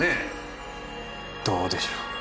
どうでしょう。